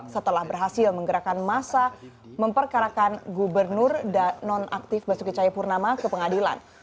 setelah berhasil menggerakkan masa memperkarakan gubernur dan non aktif basuki cahayapurnama ke pengadilan